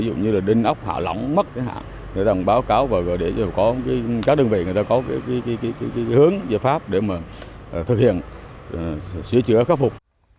ví dụ như là đinh ốc hạ lỏng mất cái hạng để đồng báo cáo và gửi để cho các đơn vị người ta có hướng giới pháp để thực hiện sửa chữa khắc phục